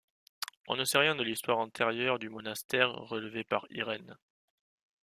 On ne sait rien de l'histoire antérieure du monastère relevé par Irène.